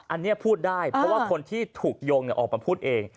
อันนี้พูดได้เพราะว่าคนที่ถูกโยงออกมาพูดเอง